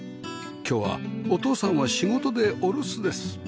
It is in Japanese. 今日はお父さんは仕事でお留守です